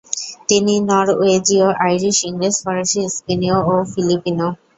তিনি নরওয়েজীয় আইরিশ ইংরেজ ফরাসি স্পেনীয় ও ফিলিপিনো।